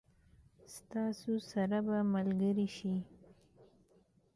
ستاسو سره به ملګري شي.